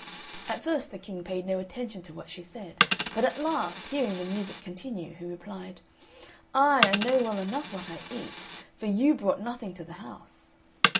At first the King paid no attention to what she said; but at last, hearing the music continue, he replied, "Ay, I know well enough what I eat, for YOU brought nothing to the house."